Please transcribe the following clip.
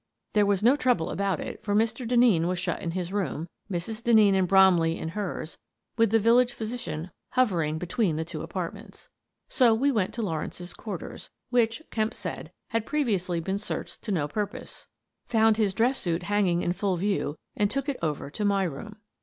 There was no trouble about it, for Mr. Denneen was shut in his room, Mrs. Denneen and Bromley in hers, with the village physician hover ing between the two apartments. So we went to Lawrence's quarters — which, Kemp said, had previously been searched to no pur We Hunt for Blood stains 119 == =====3 pose — found his dress suit hanging in full view, and took it over to my room.